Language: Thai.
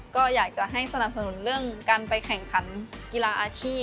ก็อยากจะให้สนับสนุนเรื่องการไปแข่งขันกีฬาอาชีพ